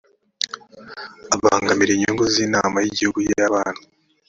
abangamira inyungu z inama y igihugu y’abana